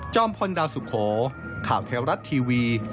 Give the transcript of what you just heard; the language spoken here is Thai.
จ้อมพลดาวสุโขข่าวแท้วรัฐทีวี